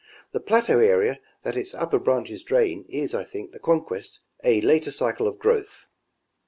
The plateau area that its upper branches drain is, I think, the conquest of a later cycle of growth.